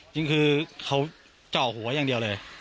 จริงคือเขาเจาะหัวอย่างเดียวเลย